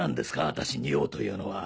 私に用というのは？